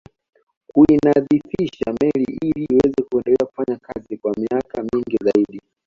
Kuinadhifisha meli ili iweze kuendelea kufanya kazi kwa miaka mingi zaidi